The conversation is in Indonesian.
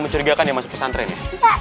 mencerigakan ya mas pesantren ya